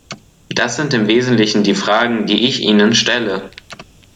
Das sind im Wesentlichen die Fragen, die ich Ihnen stelle.